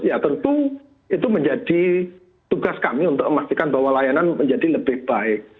ya tentu itu menjadi tugas kami untuk memastikan bahwa layanan menjadi lebih baik